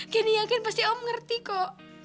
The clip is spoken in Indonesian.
candy yakin pasti om ngerti kok